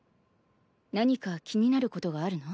何か気になることがあるの？